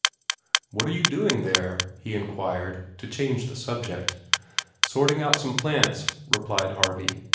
"What are you doing there?" he inquired, to change the subject. "Sorting out some plants," replied Harvey.